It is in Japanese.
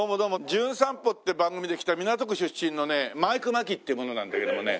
『じゅん散歩』って番組で来た港区出身のねマイク眞木っていう者なんだけどもね。